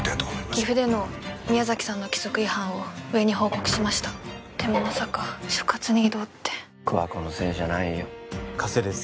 岐阜での宮崎さんの規則違反を上に報告しましたでもまさか所轄に異動って桑子のせいじゃないよ加瀬です